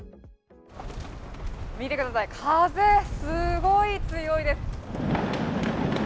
見てください風がすごい強いです。